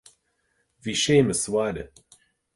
Bhí Séamus sa bhaile